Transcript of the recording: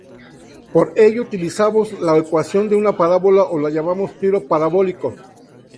Por ello utilizamos la ecuación de una parábola y lo llamamos "tiro parabólico".